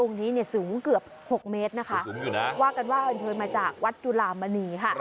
องค์นี้สูงเกือบ๖เมตรว่ากันว่ามันเชิญมาจากวัดจุลามณี